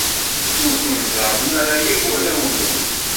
Ur ken-ẓerren ara akk warraw-nwen.